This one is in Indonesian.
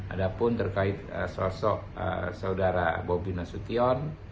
ada pun terkait sosok saudara bobi nasution